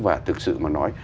và thực sự mà nói